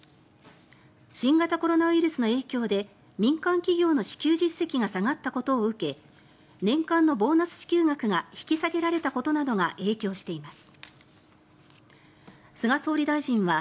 新型コロナウイルスの影響で民間企業の支給実績が下がったことを受け年間のボーナス支給額が引き下げられたことなどが影響しています。